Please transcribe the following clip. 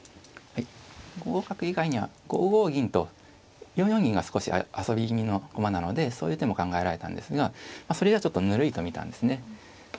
５五角以外には５五銀と４四銀が少し遊び気味の駒なのでそういう手も考えられたんですがそれじゃちょっとぬるいと見たんですね。